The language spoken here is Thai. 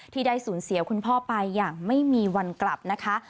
ที่ได้สูญเสียคุณพ่อไปอย่างไม่มีวันกลับนะคะ